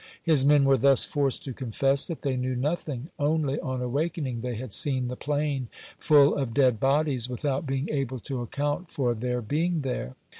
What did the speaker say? His men were thus forced to confess that they knew nothing, only, on awakening, they had seen the plain full of dead bodies, without being able to account for their being there.